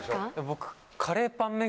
僕。